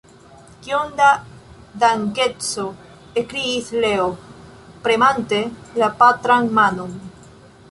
Kiom da dankeco! ekkriis Leo, premante la patran manon.